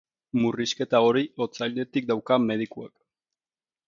Murrizketa hori otsailetik dauka medikuak.